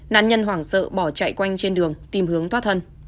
nạn nhân hoảng sợ bỏ chạy quanh trên đường tìm hướng thoát thân